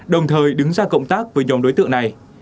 đồng thời đứng ra cộng tác với nhóm đối tượng này